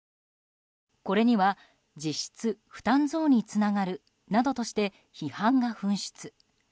これには実質負担増につながるなどとして批判が噴出。